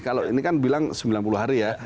kalau ini kan bilang sembilan puluh hari ya